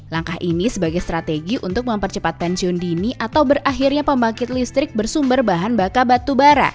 langkah ini sebagai strategi untuk mempercepat pensiun dini atau berakhirnya pembangkit listrik bersumber bahan bakar batubara